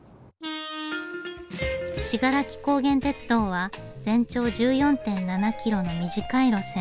信楽高原鐵道は全長１４．７キロの短い路線。